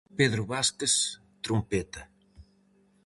Pedro Vázquez - trompeta.